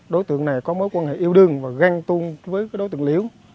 đối tượng này có mối quan hệ yêu đương và ghen tuôn với đối tượng liễu